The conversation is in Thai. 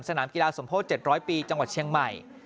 สนามกีฬาสมโพธิ๗๐๐ปีจังหวัดเชียงใหม่